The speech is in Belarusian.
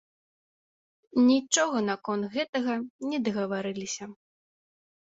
Нічога наконт гэтага не дагаварыліся.